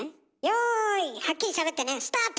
「用意はっきりしゃべってねスタート！」